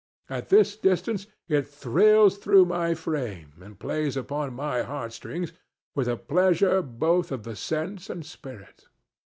At this distance it thrills through my frame and plays upon my heart strings with a pleasure both of the sense and spirit.